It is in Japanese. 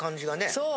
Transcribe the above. そう！